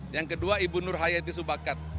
yang kedua ibu nur hayati subakat